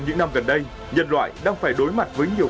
những năm gần đây nhân loại đang phải đối mặt với nhiều